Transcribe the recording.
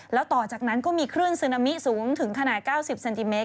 แล้วต่อจากนั้นก็มีคลื่นซึนามิสูงถึงขนาด๙๐เซนติเมต